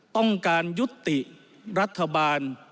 ต้องการยุติรัฐบาล